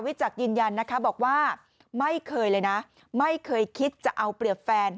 จักษ์ยืนยันนะคะบอกว่าไม่เคยเลยนะไม่เคยคิดจะเอาเปรียบแฟน